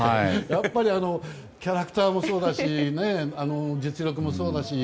やっぱりキャラクターもそうだし実力もそうだし。